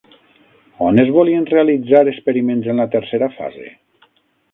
On es volien realitzar experiments en la tercera fase?